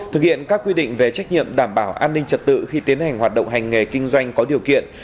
thực hiện các quy định về trách nhiệm đảm bảo an ninh trật tự khi tiến hành hoạt động hành nghề kinh doanh có điều kiện